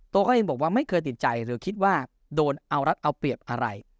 ตัวเองบอกว่าไม่เคยติดใจหรือคิดว่าโดนเอารัดเอาเปรียบอะไร